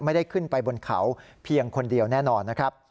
ไม่ได้ขึ้นไปบนเขาเพียงคนเดียวแน่นอนนะครับ